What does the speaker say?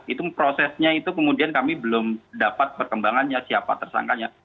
itu prosesnya itu kemudian kami belum dapat perkembangannya siapa tersangkanya